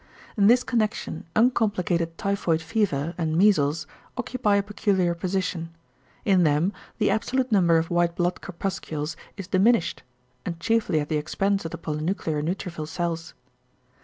In this connection uncomplicated typhoid fever and measles occupy a peculiar position. In them the absolute number of white blood corpuscles is diminished, and chiefly at the expense of the polynuclear neutrophil cells.